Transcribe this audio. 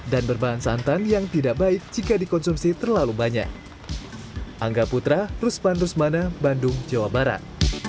dan berbahan santan yang tidak baik jika dikonsumsi terlalu banyak